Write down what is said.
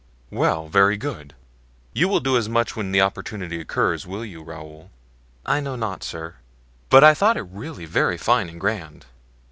"Well, very good; you will do as much when the opportunity occurs, will you, Raoul?" "I know not, sir, but I thought it really very fine and grand!"